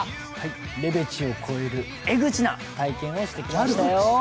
レベチを超えるエグチを体験してきましたよ。